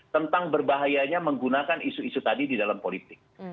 tentang berbahayanya menggunakan isu isu tadi di dalam politik